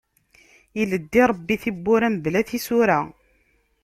Ileddi Ṛebbi tibbura, mebla tisura.